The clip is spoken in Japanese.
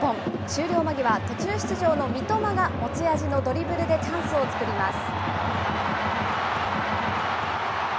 終了間際、途中出場の三笘が持ち味のドリブルでチャンスを作ります。